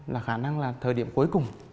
là khả năng là thời điểm cuối cùng